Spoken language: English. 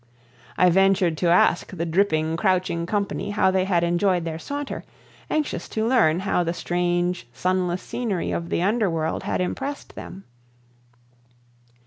I ventured to ask the dripping, crouching company how they had enjoyed their saunter, anxious to learn how the strange sunless scenery of the underworld had impressed them.